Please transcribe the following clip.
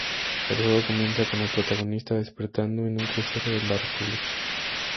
El juego comienza con el protagonista despertando en un Crucero de la República.